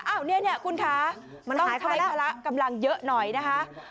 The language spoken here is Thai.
เนี่ยคุณคะต้องใช้พละกำลังเยอะหน่อยนะคะ